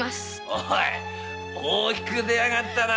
おい大きくでやがったな。